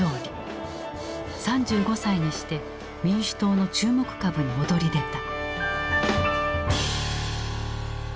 ３５歳にして民主党の注目株に躍り出た。